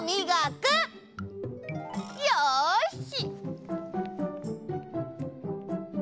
よし！